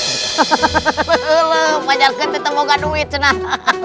masih belum kita belum punya uang